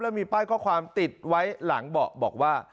มีป้ายข้อความติดไว้หลังเบาะบอกว่า